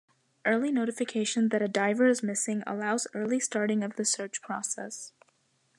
Early notification that a diver is missing allows early starting of the search process.